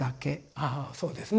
ああそうですね。